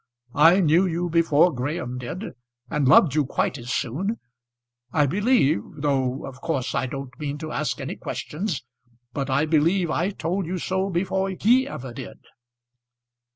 I knew you before Graham did, and loved you quite as soon. I believe though of course I don't mean to ask any questions but I believe I told you so before he ever did."